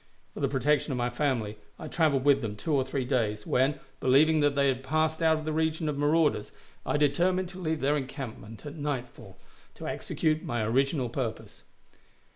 For the protection of my family I traveled with them two or three days, when, believing that they had passed out of the region of marauders, I determined to leave their encampment at nightfall, to execute my original purpose.